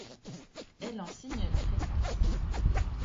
Elle en signe la préface.